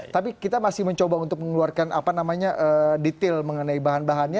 tapi kita masih mencoba untuk mengeluarkan detail mengenai bahan bahannya